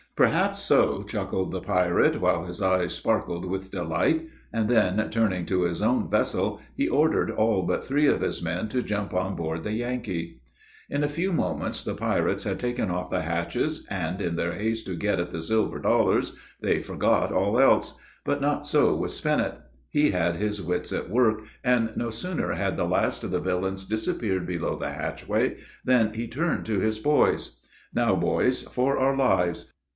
"Perhaps so," chuckled the pirate, while his eyes sparkled with delight. And then, turning to his own vessel, he ordered all but three of his men to jump on board the Yankee. In a few moments the pirates had taken off the hatches, and, in their haste to get at the "silver dollars," they forgot all else; but not so with Spinnet; he had his wits at work, and no sooner had the last of the villains disappeared below the hatchway, than he turned to his boys. "Now, boys, for our lives.